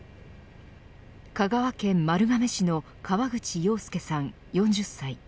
香川県丸亀市の河口洋介さん４０歳。